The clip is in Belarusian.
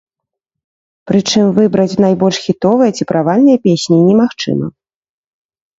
Прычым, выбраць найбольш хітовыя ці правальныя песні немагчыма.